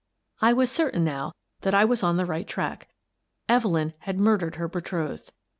I was certain now that I was on the right track. Evelyn had murdered her betrothed.